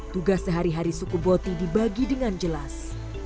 tugas sehari hari suku boti dibagi dengan jelas